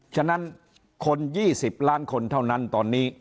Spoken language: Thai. ฉะนั้นคน๒๐ล้านคนเท่านั้นตอนนี้